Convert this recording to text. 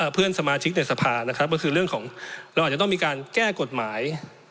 เพื่อนสมาชิกในสภานะครับก็คือเรื่องของเราอาจจะต้องมีการแก้กฎหมาย